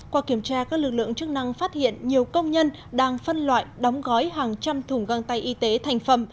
qua kiểm tra các lực lượng chức năng phát hiện nhiều công nhân đang phân loại đóng gói hàng trăm thùng găng tay y tế thành phẩm